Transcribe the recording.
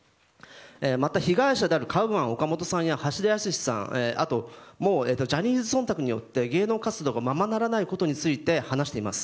また被害者であるカウアン・オカモトさん橋田康さんもジャニーズ忖度によって芸能活動がままならないことも話しています。